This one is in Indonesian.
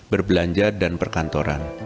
berbelanja dan perkantoran